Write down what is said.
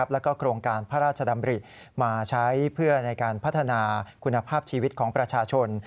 แล้วก็โครงการพระราชดำริมาใช้เพื่อในการพัฒนาคุณภาพชีวิตของประชาชน